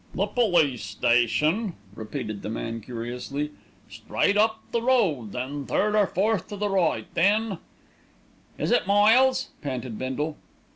"The police station?" repeated the man curiously. "Straight up the road, then third or fourth to the right, then " "Is it miles?" panted Bindle.